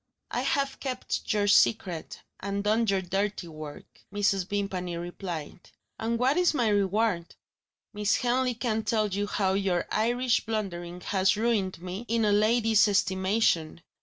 "I have kept your secret, and done your dirty work," Mrs. Vimpany replied. "And what is my reward? Miss Henley can tell you how your Irish blundering has ruined me in a lady's estimation.